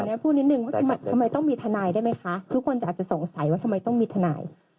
อันนี้พูดนิดนึงว่าทำไมต้องมีทนายได้ไหมคะทุกคนจะอาจจะสงสัยว่าทำไมต้องมีทนาย